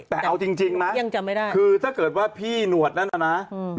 แต่เอาจริงจริงนะยังจำไม่ได้คือถ้าเกิดว่าพี่หนวดนั่นน่ะนะอืม